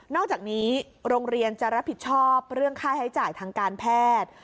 อกจากนี้โรงเรียนจะรับผิดชอบเรื่องค่าใช้จ่ายทางการแพทย์